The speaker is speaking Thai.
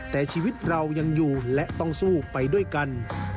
แต่ชีวิตเรายังอยู่และต้องสู้ไปด้วยกัน